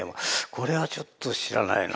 これはちょっと知らないな。